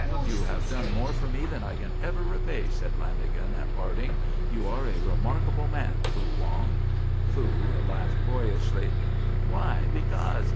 "You have done more for me than I can ever repay," said Lanagan at parting. "You are a remarkable man, Fu Wong." Fu laughed boyishly. "Why? Becaus'?